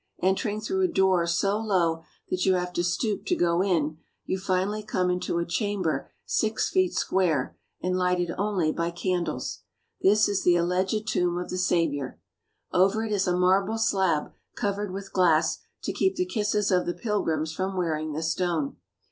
Entering through a door so low that you have to stoop to go in, you finally come into a chamber six feet square and lighted only by can dles. This is the alleged tomb of the Saviour. Over it is a marble slab covered with glass to keep the kisses of the pilgrims from wearing the stone.